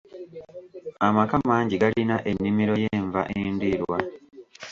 Amaka mangi galina ennimiro y'enva endiirwa.